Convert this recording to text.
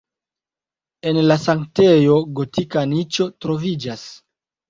En la sanktejo gotika niĉo troviĝas.